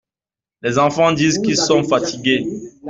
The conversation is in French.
Les enfants disent qu’ils sont fatigués.